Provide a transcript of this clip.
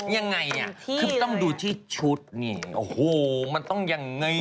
ยังไงอ่ะคือมันต้องดูที่ชุดนี่โอ้โหมันต้องยังไง